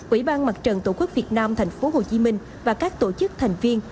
ủy ban mặt trận tổ quốc việt nam thành phố hồ chí minh và các tổ chức thành viên